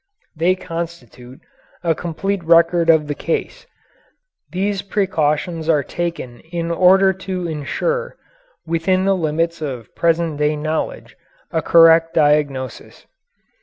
They constitute a complete record of the case. These precautions are taken in order to insure, within the limits of present day knowledge, a correct diagnosis.